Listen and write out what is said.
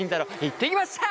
行ってきました。